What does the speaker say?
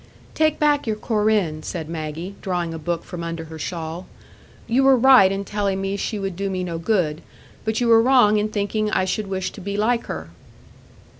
"Take back your Corinne," said Maggie, drawing a book from under her shawl. "You were right in telling me she would do me no good; but you were wrong in thinking I should wish to be like her."